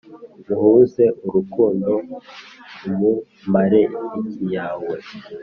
Muhuze urukundo, umumare ikiya we